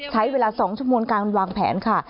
ใช้เวลา๒ชั่วโมงการวางแผนค่ะ